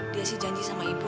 dia sih janji sama ibu